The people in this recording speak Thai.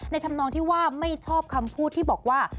ทำนองที่ว่าไม่ชอบคำพูดที่บอกว่า